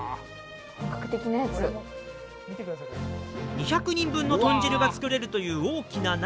２００人分の豚汁が作れるという大きな鍋。